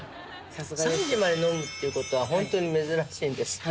３時まで飲むっていうことはほんとに珍しいんです。